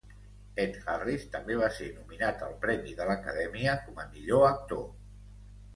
Ed Harris també va ser nominat al premi de l'Acadèmia com a Millor Actor.